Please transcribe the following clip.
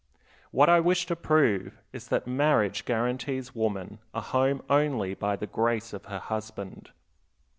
What I wish to prove is that marriage guarantees woman a home only by the grace of her husband.